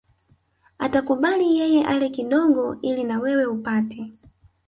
Atakubali yeye ale kidogo ili na wewe upate